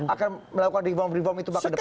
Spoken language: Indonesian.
akan melakukan reform reform itu bahkan ke depan